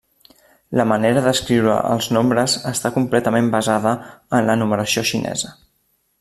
La manera d'escriure els nombres està completament basada en la numeració xinesa.